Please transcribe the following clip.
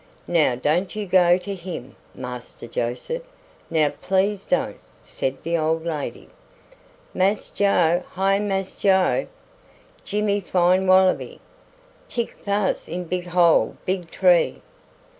"Now don't you go to him, Master Joseph; now please don't," said the old lady. "Mass Joe! hi Mass Joe! Jimmy fine wallaby. Tick fass in big hole big tree."